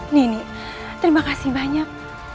nini terima kasih banyak